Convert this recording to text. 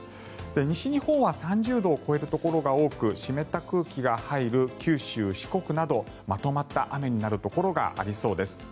西日本は３０度を超えるところが多く湿った空気が入る九州、四国などまとまった雨になるところがありそうです。